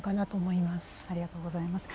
ありがとうございます。